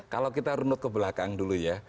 kalau kita runut ke belakang dulu ya